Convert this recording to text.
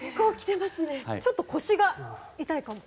ちょっと腰が痛いかも。